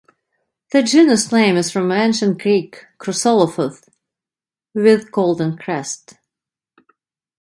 The genus name is from Ancient Greek "khrusolophos", "with golden crest".